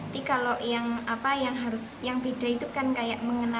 tapi kalau yang beda itu kan kayak mengajar